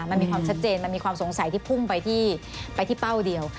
มันมีความชัดเจนมันมีความสงสัยที่พุ่งไปที่เป้าเดียว